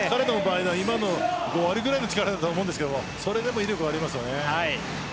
今のは５割ぐらいの力だと思うんですけどそれでも威力がありますね。